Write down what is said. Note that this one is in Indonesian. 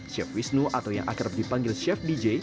chef wisnu atau yang akrab dipanggil chef dj